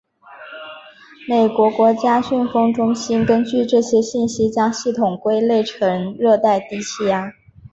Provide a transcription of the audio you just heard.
美国国家飓风中心根据这些信息将系统归类成热带低气压。